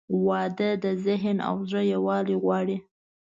• واده د ذهن او زړه یووالی غواړي.